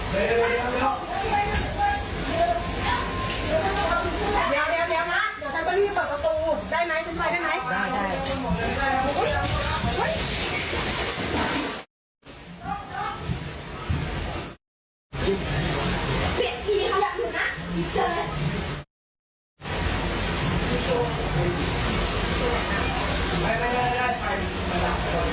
เป็นอีกอย่างหนึ่งนะ